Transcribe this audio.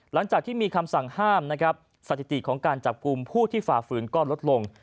หลังจากที่มีคำสั่งห้ามนะครับสถิติของการจับกลุ่มผู้ที่ฝ่าฝืนก็ลดลง